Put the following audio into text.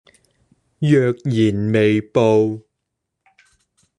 若然未報